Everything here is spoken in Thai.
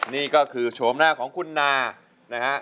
นี่ก็คือโฉมหน้าของคุณนานะฮะ